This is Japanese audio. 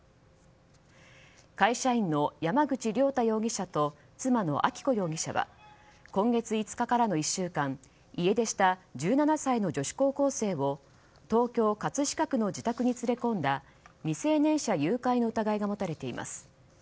会社員の山口良太容疑者と妻の明子容疑者は今月５日からの１週間家出した１７歳の女子高校生を東京・葛飾区の自宅に連れ込んだ未成年者誘拐の疑いが持たれています。